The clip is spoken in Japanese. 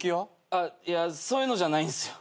あっいやそういうのじゃないんすよ。